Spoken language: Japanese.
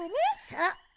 そう。